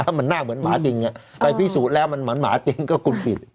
ถ้ามันหน้าเหมือนหมาจริงไปพิสูจน์แล้วมันเหมือนหมาจริงก็คุณผิด